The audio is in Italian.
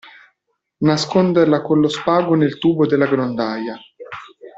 Nasconderla con lo spago nel tubo della grondaia.